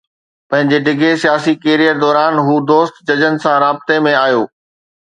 پنهنجي ڊگهي سياسي ڪيريئر دوران هو دوست ججن سان رابطو ۾ آيو.